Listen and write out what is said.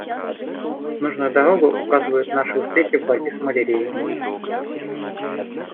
Нужную дорогу указывают наши успехи в борьбе с малярией.